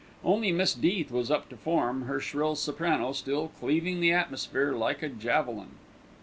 Only Miss Death was up to form, her shrill soprano still cleaving the atmosphere like a javelin.